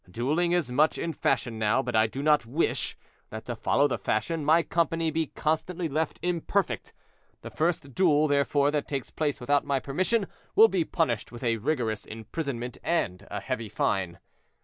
Dueling is much in fashion now, but I do not wish, that, to follow the fashion, my company be constantly left imperfect. The first duel, therefore, that takes place without my permission will be punished with a rigorous imprisonment and a heavy fine.